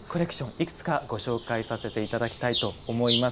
いくつかご紹介させていただきたいと思います。